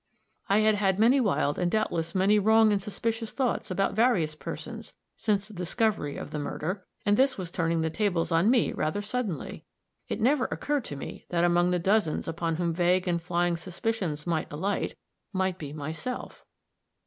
I had had many wild, and doubtless many wrong and suspicious thoughts about various persons, since the discovery of the murder; and this was turning the tables on me rather suddenly. It never occurred to me that among the dozens upon whom vague and flying suspicions might alight, might be myself.